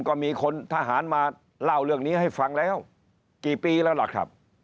ก็มีคนทหารมาเล่าเรื่องนี้ให้ฟังแล้วกี่ปีแล้วล่ะครับ